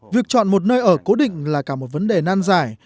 việc chọn một nơi ở cố định là cả một vấn đề nan giải